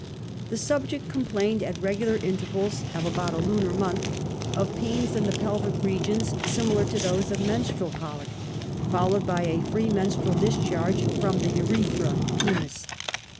The subject complained at regular intervals of about a lunar month, of pains HERMAPHRODITES, 41 in the pelvic regions, similar to those of menstural colic, followed by a free menstrual discharge from the urethra (penis.)